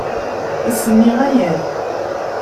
Ass-nni ɣaya-t.